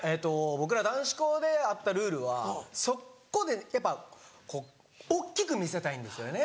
僕ら男子校であったルールはそこでやっぱこう大っきく見せたいんですよね。